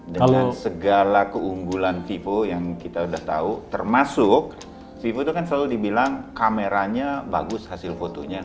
dengan segala keunggulan vivo yang kita udah tahu termasuk vivo itu kan selalu dibilang kameranya bagus hasil fotonya